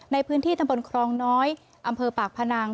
ในพื้นที่ตำบลครองน้อยอำเภอปากพนัง